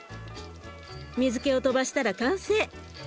水けをとばしたら完成。